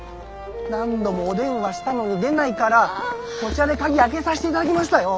何度もお電話したのに出ないからこちらで鍵開けさせていただきましたよ。